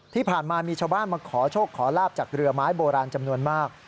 ที่ผ่านมามีชาวบ้านมาขอโชคขอลาบจากเรือไม้โบราณจำนวนมาก